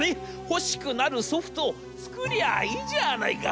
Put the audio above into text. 欲しくなるソフトを作りゃあいいじゃないか』。